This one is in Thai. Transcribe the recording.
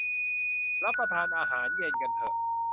รับประทานอาหารเย็นกันเถอะ